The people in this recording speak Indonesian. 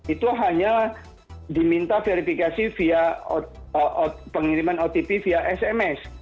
itu hanya diminta verifikasi pengiriman otp via sms